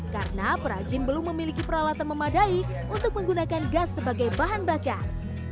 karena perajin belum memiliki peralatan memadai untuk menggunakan gas sebagai bahan bakar